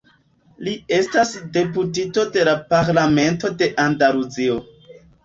Li estas deputito de la Parlamento de Andaluzio.